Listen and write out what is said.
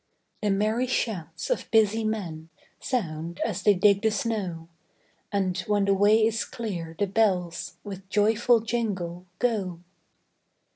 The merry shouts of busy men Sound, as they dig the snow; And, when the way is clear, the bells With joyful jingle, go.